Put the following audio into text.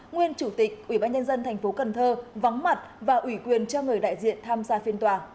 nguyên chủ tịch ubnd tp cn vắng mặt và ủy quyền cho người đại diện tham gia phiên tòa